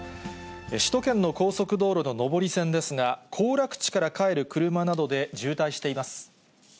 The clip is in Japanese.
首都圏の高速道路の上り線ですが、行楽地から帰る車などで渋滞しています。